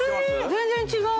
全然違う！